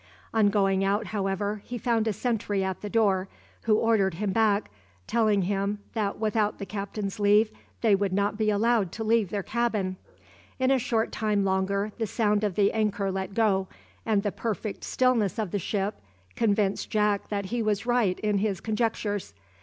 On going out, however, he found a sentry at the door, who ordered him back, telling him, that without the captain's leave they would not be allowed to leave their cabin. In a short time longer, the sound of the anchor let go, and the perfect stillness of the ship, convinced Jack that he was right in his conjectures.